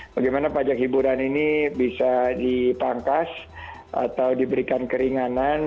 bagaimana pajak hiburan ini bisa dipangkas atau diberikan keringanan